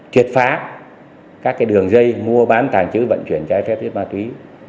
truyệt phá các đường dây mua bán tàng chứ vận chuyển giải pháp chống ma túy